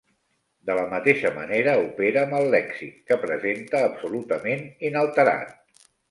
De la mateixa manera opere amb el lèxic, que presente absolutament inalterat.